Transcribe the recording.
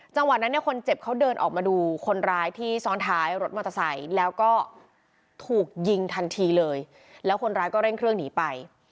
จังหวะนั้นเนี่ยคนเจ็บเขาเดินออกมาดูคนร้ายที่ซ้อนท้ายรถมอเตอร์ไซค์แล้วก็ถูกยิงทันทีเลยแล้วคนร้ายก็เร่งเครื่องหนีไป